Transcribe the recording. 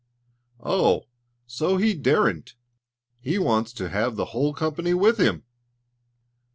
"Oh! so he daren't! He wants to have the whole company with him!"